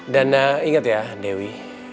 dan inget ya dewi